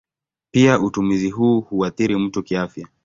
Pia utumizi huu huathiri mtu kiafya.